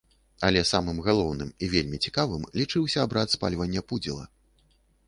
Але самым галоўным і вельмі цікавым лічыўся абрад спальвання пудзіла.